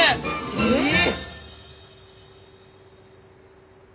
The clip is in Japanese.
えっ！